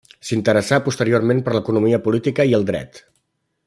S'interessà posteriorment per l'economia política i el dret.